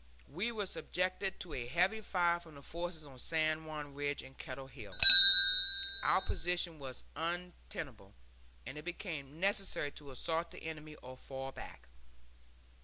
We were subjected to a heavy fire from the forces on San Juan Ridge and Kettle Hill; our position was untenable, and it became necessary to assault the enemy or fall back.